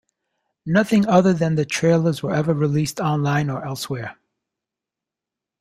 Nothing other than the trailers were ever released online or elsewhere.